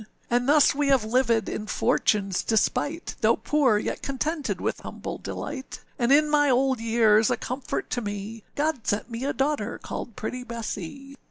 âAnd thus we have livèd in Fortuneâs despite, Though poor, yet contented with humble delight, And in my old years, a comfort to me, God sent me a daughter called pretty Bessee.